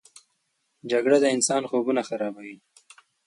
جګړه د انسان خوبونه خرابوي